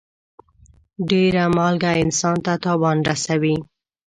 ډېر مالګه انسان ته تاوان رسوي.